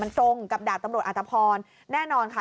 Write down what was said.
มันตรงกับดาบตำรวจอัตภพรแน่นอนค่ะ